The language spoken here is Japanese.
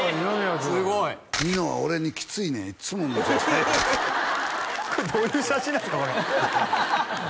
すごいニノは俺にきついねんいっつもこれどういう写真なんですか？